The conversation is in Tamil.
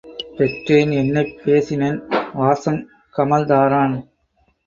பெற்றேன் என்னப் பேசினன் வாசங் கமழ்தாரான்